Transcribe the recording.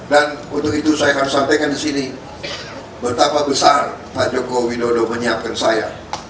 dan untuk itu saya harus sampaikan di sini betapa besar pak joko widodo menyiapkan saya